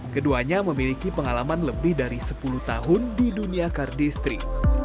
keduanya memiliki pengalaman lebih dari sepuluh tahun di dunia cardistry